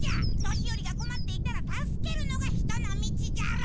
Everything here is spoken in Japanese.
年よりがこまっていたら助けるのが人の道じゃろ！